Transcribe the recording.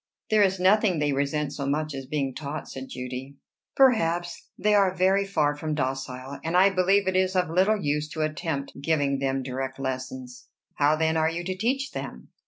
"There is nothing they resent so much as being taught," said Judy. "Perhaps: they are very far from docile; and I believe it is of little use to attempt giving them direct lessons." "How, then, are you to teach them?"